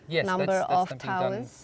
ya itu dilakukan oleh